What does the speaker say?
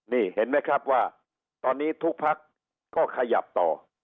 นี่เห็นไหมครับว่าตอนนี้ทุกพักก็ขยับต่อ